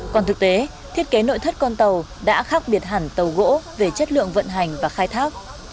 còn thực tế thiết kế nội thất con tàu đã khác biệt hẳn tàu gỗ về chất lượng vận hành và khai thác